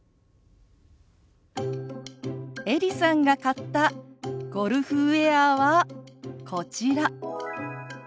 エリさんが買ったゴルフウエアはこちら。